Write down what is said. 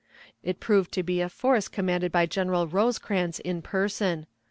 It proved to be a force commanded by General Rosecrans in person.